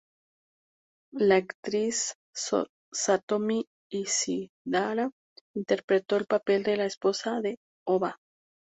La actriz Satomi Ishihara interpretó el papel de la esposa de Ōba.